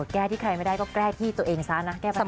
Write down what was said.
แก้ที่ใครไม่ได้ก็แก้ที่ตัวเองซะนะแก้ปัญหา